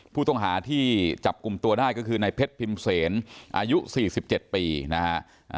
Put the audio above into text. ผู้ต้องหาที่จับกลุ่มตัวได้ก็คือในเพชรพิมเซนอายุ๔๗ปีนะฮะ